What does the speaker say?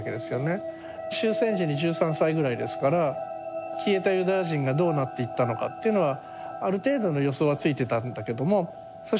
終戦時に１３歳ぐらいですから消えたユダヤ人がどうなっていったのかっていうのはある程度の予想はついていたんだけどもそ